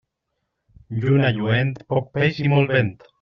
Lluna lluent, poc peix i molt vent.